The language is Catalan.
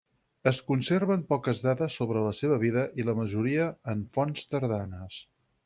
Es conserven poques dades sobre la seva vida i la majoria en fonts tardanes.